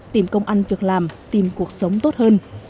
tìm công ăn việc làm tìm cuộc sống tốt hơn